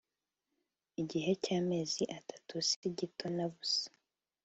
Igihe cy’amezi atatu si gito na busa